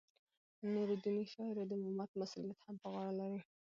نورو دیني شعایرو د امامت مسولیت هم په غاړه لری.